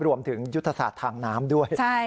รวมถึงยุทธศาสตร์ทางน้ำด้วย